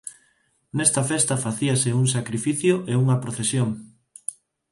Nesta festa facíase un sacrificio e unha procesión.